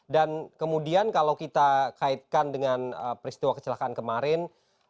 dan kemudian kalau kita kaitkan dengan peristiwa kecelakaan kemarin